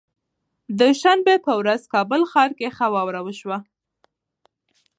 د شنبه به ورځ کابل ښار کې ښه واوره وشوه